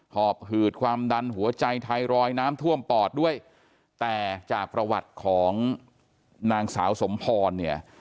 หอบหืดความดันหัวใจไทรอยด์น้ำท่วมปอดด้วยแต่จากประวัติของนางสาวสมพรเนี่ย